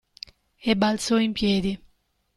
E balzò in piedi.